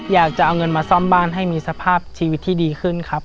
อยากจะเอาเงินมาซ่อมบ้านให้มีสภาพชีวิตที่ดีขึ้นครับ